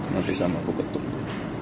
nanti sama aku ketemu